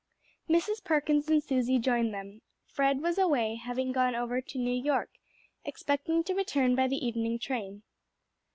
Mrs. Perkins and Susie joined them. Fred was away; had gone over to New York, expecting to return by the evening train.